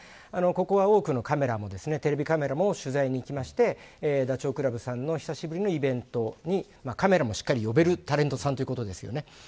ここは多くのテレビカメラも取材にいきましてダチョウ倶楽部さんの久しぶりのイベントにカメラもしっかり呼べるタレントさんということですよね。